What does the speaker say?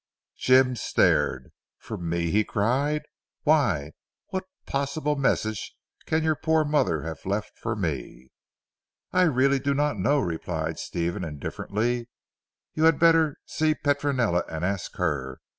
Dr. Jim stared. "For me!" he cried. "Why, what possible message can your poor mother have left for me?" "I really do not know," replied Stephen indifferently, "you had better see Petronella and ask her.